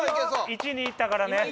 １２いったからね。